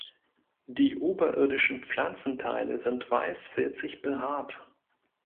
Die oberirdischen Pflanzenteile sind weiß filzig behaart.